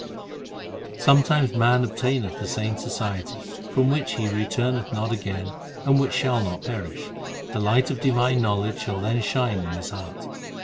8 Sometimes man obtaineth the saints society, From which He returneth not again, And which shall not perish : The light of divine knowledge shall then shine in his heart.